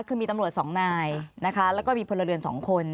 คือมีตำรวจ๒นายนะคะแล้วก็มีพลเรือน๒คน